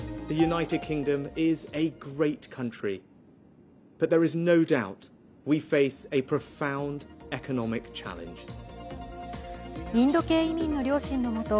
インド系移民の両親のもと